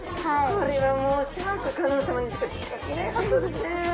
これはもうシャーク香音さまにしかできない発想ですね。